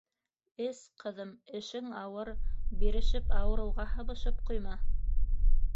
Эс, ҡыҙым, эшең ауыр, бирешеп, ауырыуға һабышып ҡуйма.